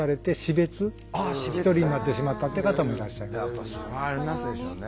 やっぱそれはありますでしょうね。